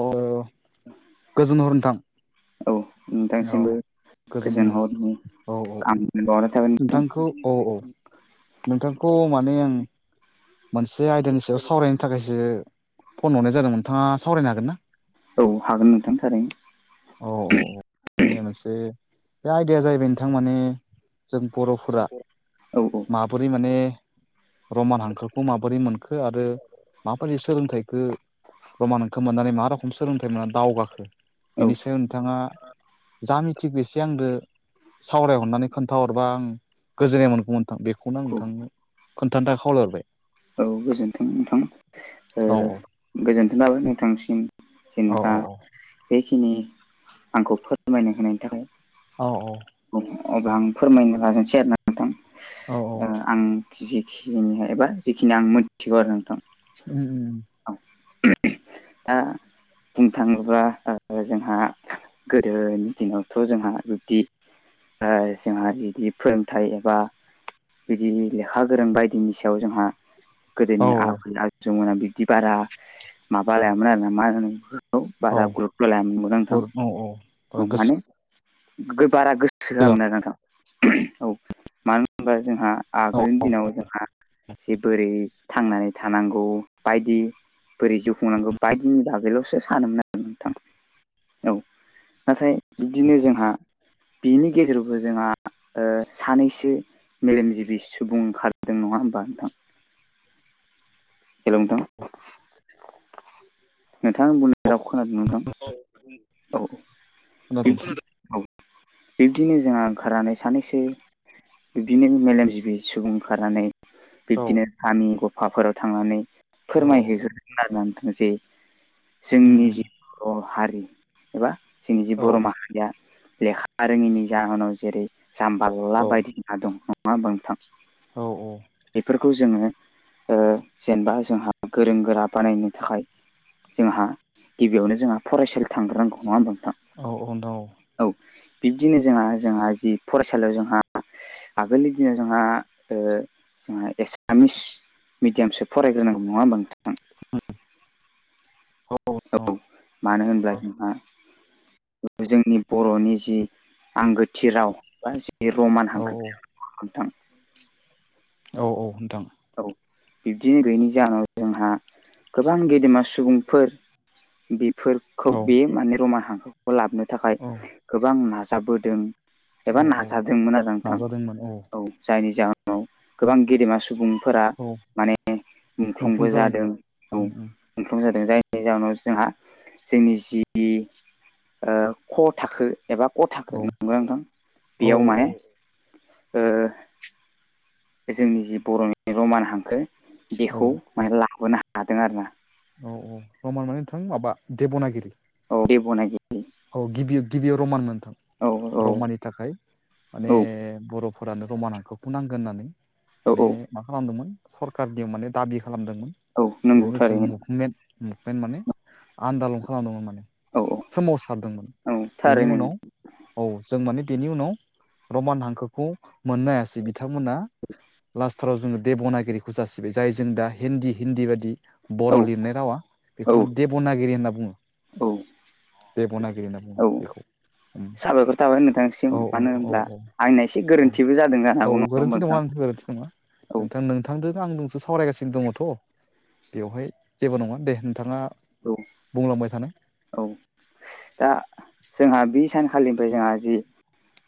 अ गोजोनहर नोंथां। औ औ नोंथांसिमबो गोजोन हर औ औ औ आंनि बावहरनाय थाबाय नोंथांखौ औ औ नोंथांखौ माने आं मोनसे आयदानि सायाव सावरायनो थाखायसो फन हरनाय जादों नोंथाङा सावरायनो हागोन ना। औ हागोन नोंथांनिथारै औ औ औ मोनसे बे आइदिया जाहैबाय नोंथां माने जों बर'फोरा औ औ माबोरै माने रमान हांखोखौ माबोरै मोन आरो माबायदि सोलोंथाइखौ रमानखौ मोननानै मा रख सोलोंथाइ मोना दावगाखो औ बेनि सायाव बिथाङा जा मिथिखौ एसे आंदो सावरायहरनानै खोन्थाहरबा आं । गोजोननाय मोनगौमोनथां बेखौनो आं औ नोंथांनो खोन्थानो थाखाय खावलायरबाय औ गोजोन्थों नोंथां ओ औ गोजोनथों लाबाय नोंथांसिम जों औ दा औ बेखिनि आंखौ फोरमायनो होनायनि थाखाय औ औ। अब्ला आं फोरमायनो लानोसै आरो ना । नोंथां औ औ आं जिखिनिाय एबा जिखिनि आं मिथिगौ आरो नोंथां। उम उम औ दा बुंनो थाङोबा ओ जोंहा गोदोनि दिनावथ' जोंहा बिब्दि ओ जोंहा बिदि फोरोंथायाइ एबा बिदि लेखा गोरों बायदिनि सायाव जोंहा औ गोदोनि आबै आ जोमोनना बिदि बारा माबा लायामोन आरो ना मा होनो । औ बारा ग्रुबथ' हायामोन नोंगौना औ नोंथां औ औ गोसो माने बारा गोसो जामोन आरो नोंथां औ मानो । होनबा जोंहा औ आगोलनि दिनाव जोंहा जे बोरै थांनानै थानांगौ बायदि बोरै जिउ खुंनांगौ बायदिनि बागैल'सो सानोमोन आरो नोंथां औ । नाथाय बिदिनो जोंहा बिनि गेजेरावबो जोंहा सानैसो मेलेमजिबि सुबुं ओंखारदों नङा होमबा नोंथां । हेल' नोंथां । नोंथां बुंनाय राव खोनादों नोंथां औ । खोनादों बि नोंथां। बिब्दिनो जोंहा ओंखारनानै सानैसै । बिबदिनो मेलेमजिबि सुबुं ओंखारनानै । औ बिब्दिनो गामि गफाफोराव थांनानै औ फोरमायहैग्रोन नां जे उम जोंनि उम जि बर' हारि एबा जोंनि जि औ बर' माहारिया लेखा रोङैनि जाहोनाव जेरै जाम्बा ल'ला बायदि दं । नङा ओमबा नोंथां औ बेफोरखौ जोंङो ओ जेनेबा जोंहा गोरों गोरा बानायनो थाखाय जोंहा गिबियावनो जोंहा फरायसालि थांग्रोनांगौ नङा होनबा नोंथां - - औ अन दं । औ बिब्दिनो जोंहा जोंहा जि फरायसालियाव जोंहा आगोलनि दिनाव जोंहा जोंहा एसामिस मिडियामसो फरायग्रोनांगोव नङा होमबा नोंथां । [inaudible] औ मानो होनब्ला जोंहा जोंनि बर'नि जि आंगोथि राव बा बे रमान औ हांखो [inaudible] नोंथां औ औ नोंथां । औ बिब्दि गैनि जाहोनाव जोंहा गोबां गेदेमा सुबुंफोर बेफोर खौ औ बे माने रमाय हांखोखौ लाबोनो थाखाय गोबां नाजाबोदों । एबा औ औ नाजादोंमोन आरो नोंथां औ जायनि जाहो नाव गोबां गेदेमा सुबुं फोर औ माने मुंख्लं मुंख्लंबो जालांदों जादों औ । उम उम मुंख्लं जादों जायनि जाहोनाव जोंहा जोंनि जि ओ ख' थाखो एबा ख'थाखो औ नंगोनख औ बेयाव माने ओ जोंनि जि बर'नि रमान हांखो औ बेखौ माने लाबोनो हादों आरोना । औ औ रमान माने नोंथां माबा देब'नागिरि । औ देबनागि औ गिबि गिबियाव रमान मोनथों औ रमाननि थाखाय माने औ बर' फोरानो र'मान हांखोखो नांगो होननानै माने औ मा खालामदोंमोन सरकारनियाव माने दाबि खालामदोंमोन औ बे नंगौ मोनसे थारैनो मुभमेन्ट मुभमेन्ट माने आन्दालन खालामदोंमोन माने औ सोमावसारदोंमोन औ बेनि थारैनो उनाव औ जों माने बेनि उनाव रमान हांखोखौ मोननो हायासै बि बिथांमोना लास्टाराव जोंङो देब'नागिरिखौ जासिबाय जाय जों दा हिन्दी हिन्दी बायदि औ बर' लिरनाय रावा औ बेखौ माने देब'नागिरि होनना बुंङो औ देब'नागिरि होनना बुङो औ बेखौ साबायखर थाबाय नोंथांसिम औ औ मानो औ होनब्ला औ आंना एसे औ गोरोन्थिबो जादों जानो औ हागौ नङा गोरोन्थि होनबा नोंथां गोरोन्थि नङा औ नोंथां नोंथांदोनो आं सो सावरायगासिनो दंङथ' बेवहाय जेबो नंङा दे नोंथांङा औ औ दा जोंहा बि सानखालिनिफ्राय जोंहा जि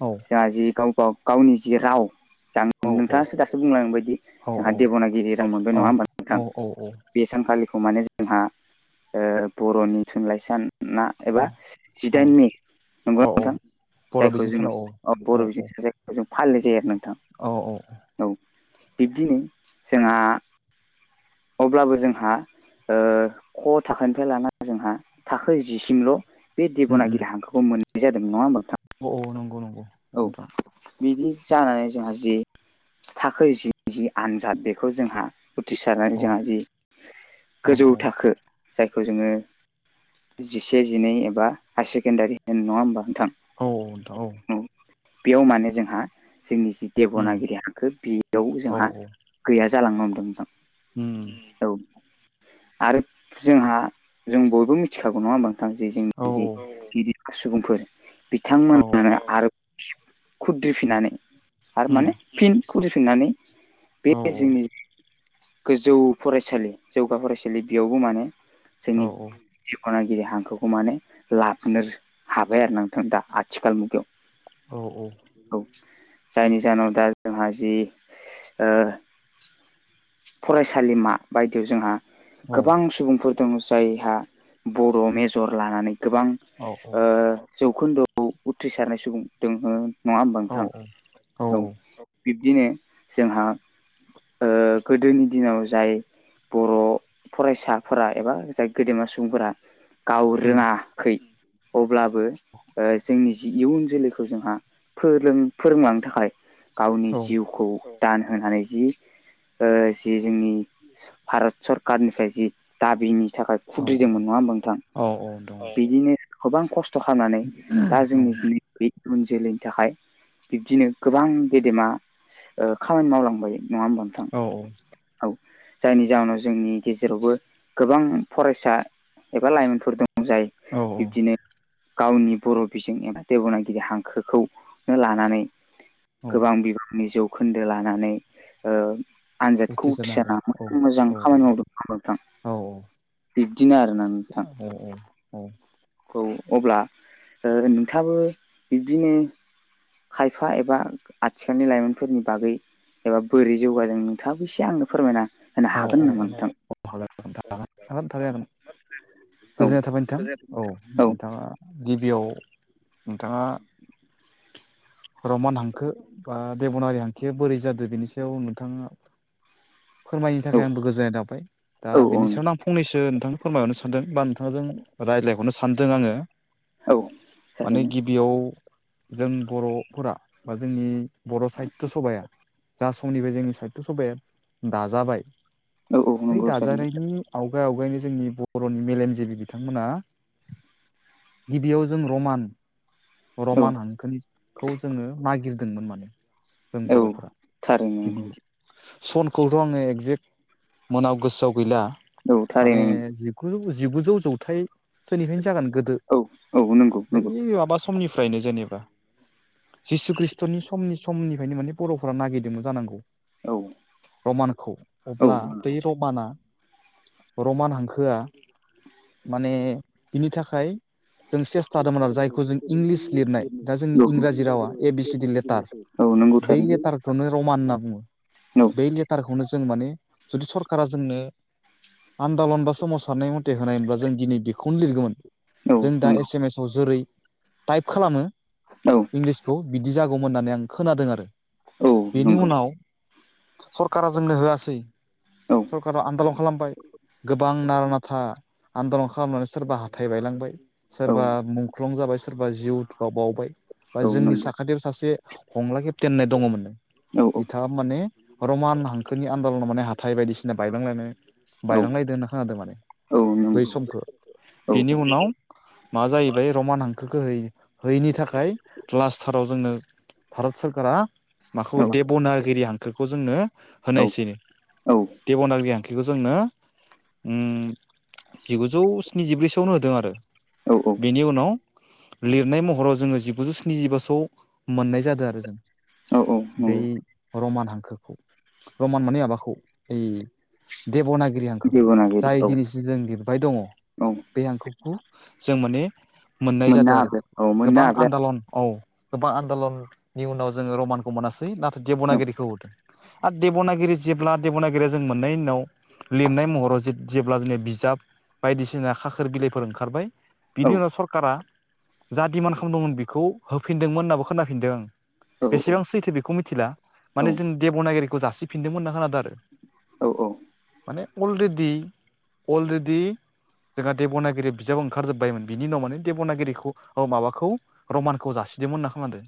औ जोंहा जि गाव गाव गावनि जि राव ज औ औ नोंथाङासो दासो बुंलां बायदि औ जोंहा औ देब'नागिरि राव मोनदों औ नङा होमब नोंथां औ औ बे सानखालिखौ माने जोंहा ओ बर'नि थुनलाइ सान ना औ एबा औ जिदाइन मे नोंगौ औ औ नोंथां बर' जायखौ बिजों जोङो सानाव अ औ बर' बि औ जायगाखौ जों फालिनाय जायो आरो नोंथां औ औ औ बिब्दिनो जोंहा अब्लाबो जोंहा ओ ख' थाखनिफ्राय लाना जोंहा थाखो जिसिमल' बे उम उम देब'नागिरि हांखोखौ मोननाय जादों नङा होमब नोंथां औ औ नंगौ नंगौ औ नोंथां बिदि जानानै जोंहा जि थाखो जि जि आनजाद बेखौ जोंहा उथ्रिसारनानै औ जोंहा जि औ गोजौ थाखो जायखौ जोंङो जिसे जिनै एबा हायार सेकेण्डारि होन नंङा होमबा नोंथां औ ओनथां औ बेयाव माने जोंहा जोंनि जि देब'नागिरि हांखो बेयाव जोंहा औ गैया जालांनो हमदों नोंथां उम औ आरो जोंहा जों बयबो मिथिखागौ नंङा होमबा नोंथांङां जे औ जोंनि जि बि सुबुंफोर औ बिथांमोनानो आरो खुद्रिफिननानै आरो उम माने फिन खदफिननानै बे औ जोंनि गोजौ फरायसालि जौगा फरायसालि बेयावबो माने औ जोंनि जिखना गिदिर हांखोखौ माने लाबोनो हाबाय आरो नोंथां दा आथिखाल मुगायाव औ औ औ जायनि जाहोनाव दा जोंहा जि ओ फरायसालिमा बायदियाव जोंहा गोबां सुबुंफोर दं जायहा बर' मेजर लानानै गोबां औ ओ जौखोन्दोआव उथ्रिसारनाय सुबुं दोंङो नङा होमबा औ नोंथां औ बिब्दिनो जोंहा ओ गोदोनि दिनाव जाय बर' फरायसाफोरा एबा जाय गेदेमा सुबुंफोरा गाव उम रोङाखै अब्लाबो ओ जोंनि जि इयुन जोलै खो जोंहा फोरों फोरोंलांनो थाखाय गावनि औ जिउखौ दान होनानै जि ओ जि जोंनि भारत सरकारनिफ्राय जि दाबिनि थाखाय औ औ खुद्रिदोंमोन नंङा होमब नोंथां औ औ दङ बिदिनो गोबां खस्थ' खालामनानै दा औ जोंनि बे इयुन जोलैनि थाखाय बिब्दिनो गोबां गेदेमा खामानि मावलांबाय नंङा होनोमबा नोंथां औ औ जायनि जाहोनाव जोंनि गेजेरावबो गोबां फरायसा एबा लाइमोनफोर दं जाय औ बिब्दिनो गावनि बर' बिजों एबा देब'ना इदि हांखोखौ लानानै औ गोबां बिबांनि जौ खोन्दो लानानै ओ आनजादखौ उथ्रिसारनो हादों उथिसारा औ मोजां औ खामानि [unintelligible] नोंथां । औ बिबदिनो आरोना नोंथां औ औ खौ अब्ला नोंथाङाबो बिब्दिनि खायफा एबा आथिखालनि लाइमोनफोरनि बागै एबा बोरै जौगाजों थाबो एसे आंनो फोरमायना होनो औ हागोन नामा नोंथां हागोन हागोन थारै हागोन औ गोजोननाय थाबाय नोंथां औ नोंथाङा गिबियाव नोंथाङा रमान हांखो बा देब'नारि हांखोआ बोरै जादों बेनि सायाव नोंथाङा फोरमायनो औ थाखाय आंबो गोजोननाय थाबाय दा औ बेनि औ सायावनो आं फंनैसो नोंथांनो फोरमायहरनो सानदों बा नोंथां रायलायहरनो सानदों औ आंङो थारैनो बेयाव जों बर'फोरा बा जोंनि बर' साहित्य सभाया जा समनिफ्राय जोंनि साहित्य सभाया दाजाबाय औ औ बै नंगौ थारैनो दाजानायनि आवगाय आवगायनो जोंनि बर'नि मेलेमजिबि बिथांमोना गिबियाव जों रमान औ रमान हांखोनिखौ जोङो नागिरदोंमोन माने जों औ बर'फोरा थारैनो गिबियाव सनखौथ' आंङो एगजेक्ट मोनायाव गोसोआव गैला औ माने थारैनो जि जिगुजौ जौथसोनिफ्रायनो जागोन गोदो औ औ नंगौ बै नंगौ माबा समनिफ्रायनो जेनेबा जिसु खृष्टनि समनि समनिफ्रायनो माने बर'फोरा नागिरदोंमोन जानांगौ । औ रमानखौ औ अब्ला नंगौ बै रमाना रमान हांखोआ माने बिनि थाखाय जों सेस्था दमोन आरो जायखौ जों इंलिस लिरनाय दा जोंनि औ इंराजि रावा ए बि सिडि लेटार औ नंगौ ब थारैनो लेटारखौनो रमान होनना बुंङो औ बे लेटारखौनो जों माने जुदि सरकारा जोंनो आन्दलन बा सोमावसारनाय मथे होनायमोनब्ला जों दिनै बेखौनो लिरगौमोन औ जों दा नंगौ एस एम एस आव जेरै टाइप खालामो औ इंलिसखौ बिदि जागौमोन होननानै आं खोनादों आरो औ बेनि नंगौ उनाव सरकारा जोंनो होआसै । औ सरकाराव आन्दलन खालामबाय गोबां नारा नाथा आन्दलन खालामनानै सोरबा हाथाइ बायलांबाय औ सोरबा मुंख्लं जाबाय सोरबा जिउ उथुबआव बावबाय । बा जोंनि नंगौ साखाथियाव सासे हंला केेप्टेन होननाय दङमोननो औ बिथाङा माने रमान हांखोनि आन्दलनाव माने हाथाय बायदिसिना बायब्लांलाङो । औ बायलांलायदो होनना खोनादों माने औ नंगौ औ बै समखो औ बेनि उनाव माबा जाहैबाय रमान हांखोखौ हो होयैनि थाखाय लास्टाराव जोनो भारत सरकारा । माखौ देबनागिरि हांखोखौ जोंनो औ होनायसै औ देबनागिरि हांखोखौ जोंनो उम जिगुजौ स्निजिब्रैसोआवनो होदों आरो औ औ बेनि उनाव लिरनाय महराव जोङो जिगुजौ स्निजिबासो मोननाय जादों आरो जों बै नंगौ रमान हांखोखौ रमान माने माबाखौ ओइ देब'नागिरि हांखोखौ जिबनागिरि जाय औ दिनैसिम जों लिरबाय दङ औ बे हांखोखौ जों माने मोननाय मोननो जादों आरो हाबाय औ मोननो गोबां हाबाय आन्दलन औ गोबां आन्दलननि उनाव जोङो रमानखौ मोनासै नाथाय औ देब'नागिरिखौ आरो देब'नागिरि जेब्ला देब'नागिरिया जों मोननायनि उनाव लिरनाय महराव जे जेब्ला [unintelligible] बिजाब बायदिसिना खाखोर बिलाइफोर ओंखारबाय औ बिनि उनाव सरकारा जा डिमान्ड खालामदोंमोन बेखौ होफिनदोंमोन होनाबो खोनाफिनदों आं औ । बेसेबां सैथो बेखौ मिथिला औ माने जों देब'नागिरिखौ जासिफिनदोंमोन होनना खोनादों आरो औ औ माने अलरिदि अलरिदि जोंहा देब'नागिरि बिजाब ओंखारजोबबायमोन बिनि उनाव माने देब'नागिरिखौ माबाखौ र'मानखौ जासिदोंमोन होनना खोनादों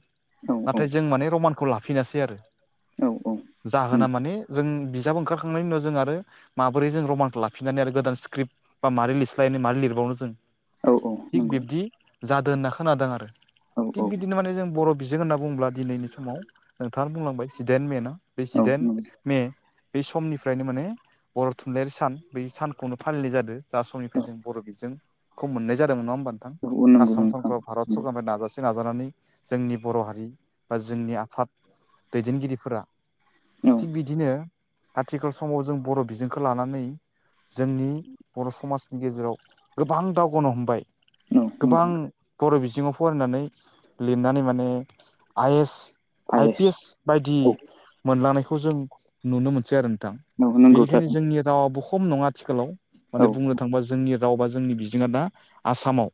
नाथाय जों माने र'मानखौ लाफिनासै आरो औ औ । जाहोना माने जों बिजाब ओंखारखांनायनि उनाव जों आरो माबोरै जों र'मानखौ लाफिननानै आरो गोदान स्क्रिप्ट बा मारै लिरस्लायनो मारै लिरबावनो जों औ थिग नंगौ बिब्दि जादों होनना खोनादों आरो औ औ थिग बिदिनो माने जों बर' बिजों होनना बुङोब्ला दिनैनि समाव नोंथाङा बुंलांबाय जिडाइन मे ना बे औ जिडाइन नंगौ मे बे समनिफ्रायनो माने बर' थुनलाइयारि सान बे सानखौनो फालिनाय जादों जा औ समनिफ्राय जों बर' बिजोंखौ मोननाय जादोंमोन नङा होमबा नोंथां औ नंगौ आसाम नोंथां सरकारा भारत नंगौ। सरकारनिफ्राय नाजासि नाजानानै जोंनि बर' हारि बा जोंनि आफाद दैदेनगिरिफोरा औ थिग बिदिनो आथिखाल समाव जों बर' बिजोंखौ लानानै जोंनि बर' समाजनि गेजेराव गोबां दावगानो हमबाय औ नंगौ गोबां बर' बिजोङाव फरायनानै लिरनानै माने आइ एस आइ पायेस पि एस बायदि औ मोनलांनायखौ जों नुनो मोनसै आरो नोंथां। औ नंगौ बेनिखायनो थारैनो जोंनि रावाबो खम नङा आथिखालाव औ माने बुंनो थाङोबा जोंनि रावबा जोंनि बिजोङा दा आसामाव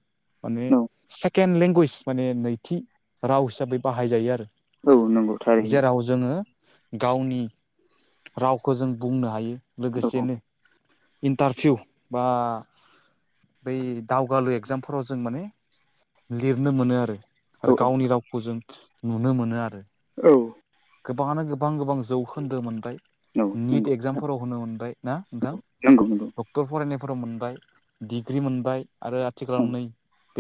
माने सेक केेन लेंगुवेज माने नैथि राव हिसाबै बाहायजायो आरो औ नंगौ थारैनो जेराव जोङो गावनि रावखौ जों बुंनो हायो औ लोगोसेनो इन्टारभिउ बा बै दावगालु एगजामफोराव जों माने लिरनो मोनो आरो औ आरो औ गावनि राव खौ जों नुनो मोनो आरो औ गोबाङानो गोबां गोबां जौखोन्दो मोनबाय नंगौ निट एक्जामफोराव होनो मोनबाय ना नोंथां नंगौ क्टर फरायनायफोराव मोनबाय डिग्रि मोनबाय आरो आथिखालाव नंगौ नै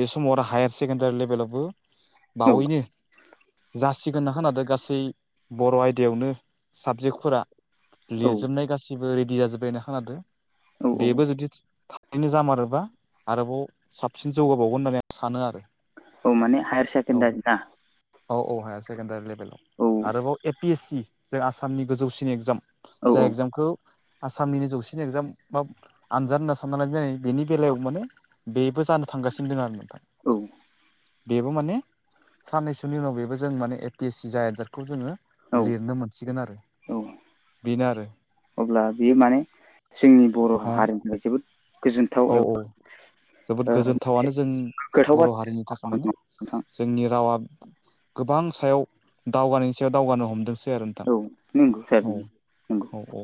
बे समाव आरो हायार सेकेण्डारि लेभेलावबो नंगौ बावैनो जासिगोन होन्ना खोनादों गासै बर' आयदायावनो साबजेक्टफोरा औ लिरजोबनाय गासिबो रेडि जाजोबबाय होनना खोनादों औ औ बेबो जुदि रैनो जामारोबा आरोबाव साबसिन जौगाबावगोन होननानै आं सानो आरो औ माने हायार औ सेकेन्दारि ना औ औ हायार सेकेण्डारि लेभेलाव औ आरोबाव ए पि एस सि जों आसामनि गोजौसिन एग्जाम औ जाय एगजामखौ आसामनिनो जौसिन एगजाम मा आनजाद होनना सानना लानाय जायो बेनि बेलायाव माने बेबो जानो थांगासिनो दं आरो नोंथां औ बेबो माने साननैसोनि उनाव बेबो जों माने ए पि एस सि जाय आजादखौ जोङो औ लिरनो मोनसिगोन आरो औ बेनो आरो अब्ला बेयो माने जोंनि बर' हा हारिनिफ्राय जोबोद गोजोनथाव औ औ एबा जोबोद ओ मोनसे गोजोनथावनो जों गोग्गाथाव बर' बाथ्रा हारिनि थाखाय माने नोंथां जोंनि रावा गोबां सायाव दावगानायनि सायाव दावगानो हमदोंसै आरो । औ नोंनो खिथादों । औ औ ओ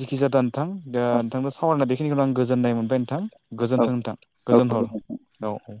जेखि जादा नोंथां दा औ नोंथांनो बेखिनिखौनो आं गोजोन्नाय मोनबाय नोंथां औ गोजोन्थों नोंथां औ गोजोन हर औ औ ।